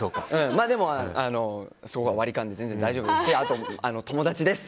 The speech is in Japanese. でも、そこは割り勘で全然大丈夫です。